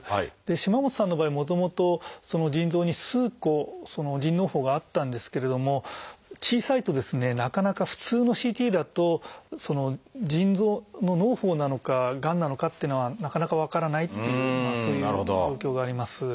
島本さんの場合もともと腎臓に数個腎のう胞があったんですけれども小さいとですねなかなか普通のＣＴだと腎臓ののう胞なのかがんなのかっていうのはなかなか分からないっていうそういう状況があります。